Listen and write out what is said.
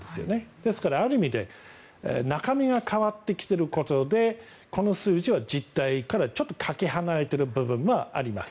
ですから、ある意味で中身が変わってきていることでこの数字は実態からちょっとかけ離れている部分はあります。